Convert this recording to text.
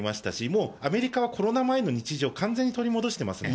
もうアメリカはコロナ前の日常、完全に取り戻してますね。